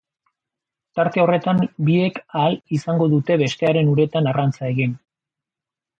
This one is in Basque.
Tarte horretan, biek ahal izango dute bestearen uretan arrantza egin.